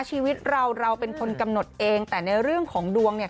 ชีวิตเราเราเป็นคนกำหนดเองแต่ในเรื่องของดวง